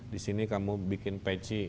di sini kamu bikin peci